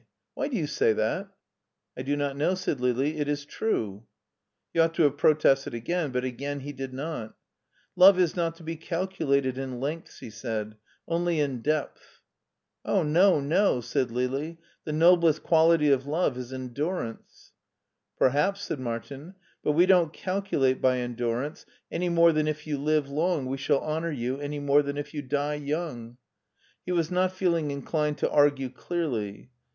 Why do you say that?^* I do not know,*' said Lili. " It is true/' He ought to have protested again, but again he did not. *' Love is not to be calculated in lengths," he said ; only in depth/* Oh, no, no !'* said Lili ;" the noblest quality of love is endurance/* ''Perhaps, said Martin; "but we don*t calculate by endurance, any more than if you live long we shall honor you any more than if you die young/' He was not feeling inclined to argue clearly.